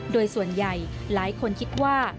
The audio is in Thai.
โดยส่วนใหญ่หลายคนคิดว่า